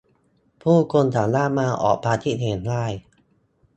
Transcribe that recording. ผู้คนสามารถมาออกความคิดเห็นได้